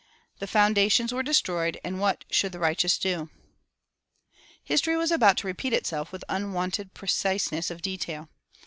The foundations were destroyed, and what should the righteous do? History was about to repeat itself with unwonted preciseness of detail.